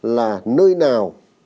là nơi nào